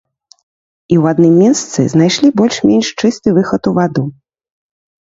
І ў адным месцы знайшлі больш-менш чысты выхад у ваду.